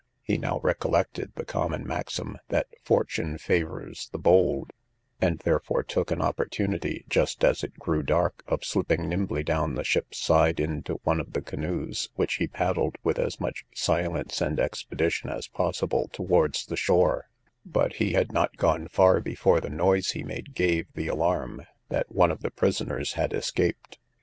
He now recollected the common maxim, that 'fortune favours the bold,' and therefore took an opportunity, just as it grew dark, of slipping nimbly down the ship's side into one of the canoes, which he paddled with as much silence and expedition as possible towards the shore: but he had not gone far before the noise he made gave the alarm, that one of the prisoners had escaped.